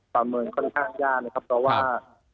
การเมืองค่อนข้างยากนะครับเพราะว่า